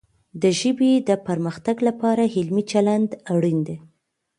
د ژبې د پرمختګ لپاره علمي چلند اړین دی.